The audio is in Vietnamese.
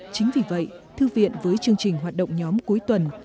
chính vì vậy thư viện với chương trình hoạt động nhóm cuối tuần